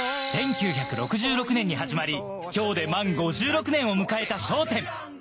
１９６６年に始まり今日で満５６年を迎えた『笑点』